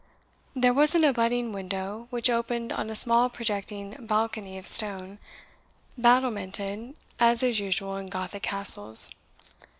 There was an abutting window, which opened on a small projecting balcony of stone, battlemented as is usual in Gothic castles.